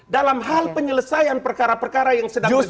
dalam hal penyelesaian perkara perkara yang sedang berjalan